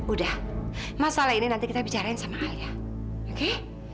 udah masalah ini nanti kita bicarain sama ayah oke